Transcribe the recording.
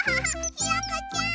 ひよこちゃん！